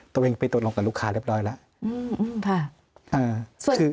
ตัวเองไปตกลงกับลูกค้าเรียบร้อยแล้ว